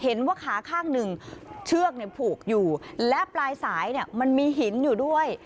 ว่าขาข้างหนึ่งเชือกผูกอยู่และปลายสายเนี่ยมันมีหินอยู่ด้วย